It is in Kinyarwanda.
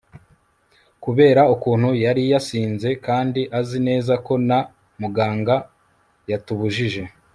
kubera ukuntu yari yasinze kandi azi neza ko na muganga yatubujije